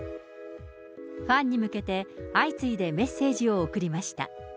ファンに向けて相次いでメッセージを送りました。